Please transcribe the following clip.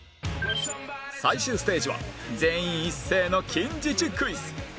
最終ステージは全員一斉の近似値クイズ